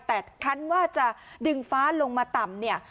แต่ครั้นว่าจะดึงฟ้าลงมาต่ำเนี่ย